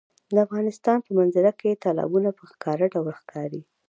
د افغانستان په منظره کې تالابونه په ښکاره ډول ښکاري.